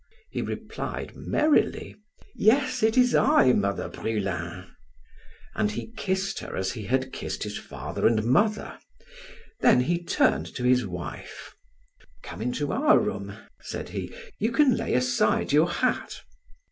He replied merrily: "Yes, it is I, Mother Brulin," and he kissed her as he had kissed his father and mother. Then he turned to his wife: "Come into our room," said he, "you can lay aside your hat."